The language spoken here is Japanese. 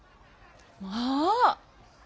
まあ！